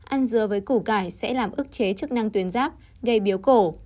ăn dứa với củ cải sẽ làm ức chế chức năng tuyến ráp gây biếu cổ